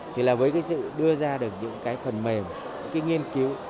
thì là với cái sự đưa ra được những cái phần mềm những cái nghiên cứu